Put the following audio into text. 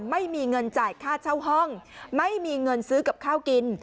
ไม่มีเงินจ่ายค่าเช่าห้องไม่มีเงินซื้อกับข้าวกิน